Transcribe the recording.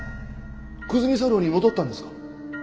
久住茶寮に戻ったんですか？